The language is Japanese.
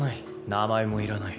名前もいらない。